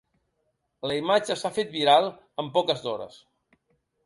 La imatge s’ha fet viral en poques d’hores.